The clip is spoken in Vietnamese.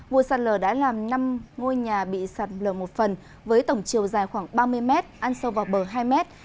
vụ sạt lở đã làm năm ngôi nhà bị sạt lở một phần với tổng chiều dài khoảng ba mươi mét ăn sâu vào bờ hai mét